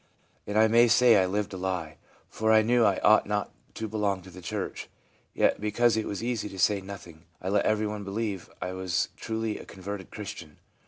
And I may say I lived a lie, for I knew I ought not to belong to the church ; yet, because it was easy to say nothing, I let everyone believe I was a truly converted Christian.